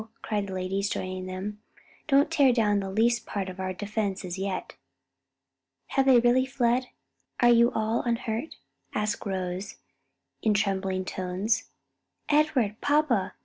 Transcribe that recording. cried the ladies, joining them, "don't tear down the least part of our defences yet." "Have they really fled? Are you all unhurt?" asked Rose in trembling tones. "Edward! papa!"